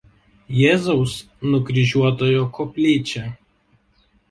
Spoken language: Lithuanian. Jėzaus Nukryžiuotojo koplyčią.